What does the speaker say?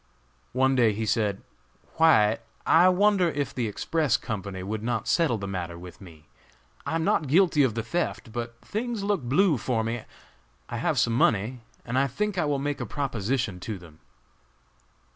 One day he said: "White, I wonder if the Express Company would not settle the matter with me? I am not guilty of the theft, but things look blue for me. I have some money, and I think I will make a proposition to them."